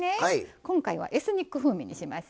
今回はエスニック風味にしますよ。